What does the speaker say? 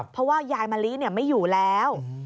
เพราะว่ายายมะลิไม่อยู่แล้ว